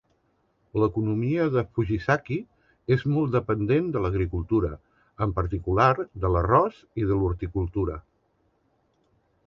L'economia de Fujisaki és molt dependent de l'agricultura, en particular de l'arròs, i de l'horticultura.